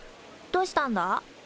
どしたんだ？